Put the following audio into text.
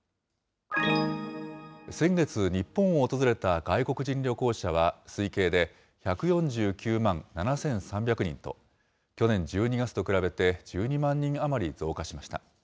先月、日本を訪れた外国人旅行者は推計で１４９万７３００人と、去年１２月と比べて１２万人余り増加しました。